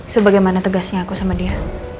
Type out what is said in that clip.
sebagaimana tegasnya aku sama dia